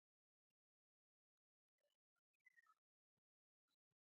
مخ ډال يا مخ پوښ، لباس او پيش بندونو کمښت د ډاکټرانو، ناروغپالانو